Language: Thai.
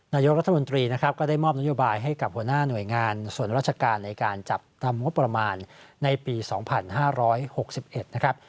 นายกรัฐมนตรีนะครับก็ได้มอบนโยบายให้กับหัวหน้าหน่วยงานส่วนราชการในการจับทำงบประมาณในปีสองพันห้าร้อยหกสิบเอ็ดนะครับ